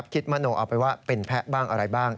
มโนเอาไปว่าเป็นแพะบ้างอะไรบ้าง